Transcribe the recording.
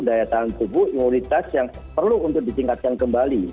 daya tahan tubuh imunitas yang perlu untuk ditingkatkan kembali